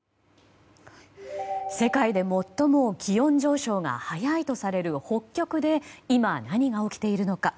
世界で最も気温上昇が早いとされる北極で今、何が起きているのか。